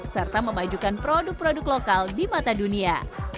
serta memajukan produk produk lokal di mata dunia